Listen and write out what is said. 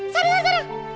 sara sara sara